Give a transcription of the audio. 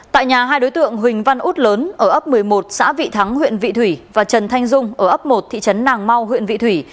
tại nhà hai đối tượng huỳnh văn út lớn ở ấp một mươi một xã vị thắng huyện vị thủy và trần thanh dung ở ấp một thị trấn nàng mau huyện vị thủy